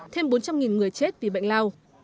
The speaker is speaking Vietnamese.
thêm bốn trăm linh người chết vì bệnh lao